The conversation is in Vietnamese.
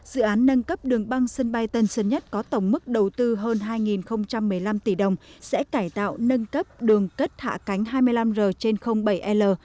dự án nâng cấp đường băng sân bay tân sơn nhất có tổng mức đầu tư hơn hai một mươi năm tỷ đồng sẽ cải tạo nâng cấp đường cất hạ cánh hai mươi năm r trên bảy l